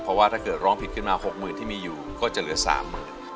เพราะว่าถ้าเกิดร้องผิดขึ้นมา๖๐๐๐ที่มีอยู่ก็จะเหลือ๓๐๐๐บาท